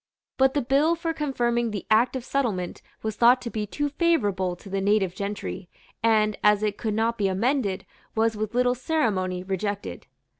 But the bill for confirming the Act of Settlement was thought to be too favourable to the native gentry, and, as it could not be amended, was with little ceremony rejected.